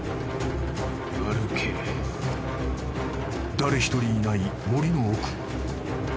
［誰一人いない森の奥］